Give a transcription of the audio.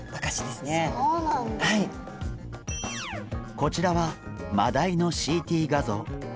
こちらはマダイのＣＴ画像。